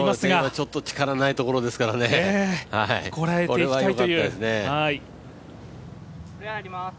ちょっと力ないところですからね、これはよかったですね。